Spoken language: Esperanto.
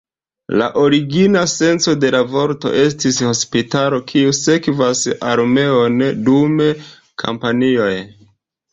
La origina senco de la vorto estis "hospitalo kiu sekvas armeon dum kampanjoj".